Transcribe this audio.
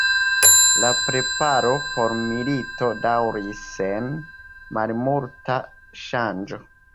La preparo por milito daŭris sen malmulta ŝanĝo.